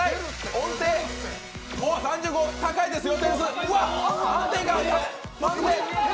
音程、３５、高いですよ。